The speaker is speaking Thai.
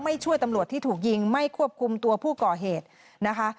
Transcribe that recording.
ช่วยตำรวจที่ถูกยิงไม่ควบคุมตัวผู้ก่อเหตุนะคะ